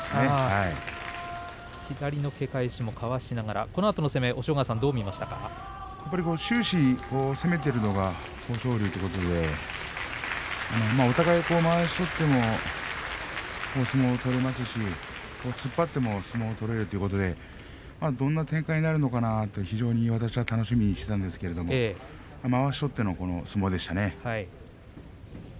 左の、け返しもかわしながら、このあとの攻め終始攻めているのが豊昇龍ということでお互いまわしを取っても相撲が取れますし突っ張っても相撲を取れるということでどんな展開になるのかなと非常に私は楽しみにしていたんですけどまわしを取っての相撲でしたね。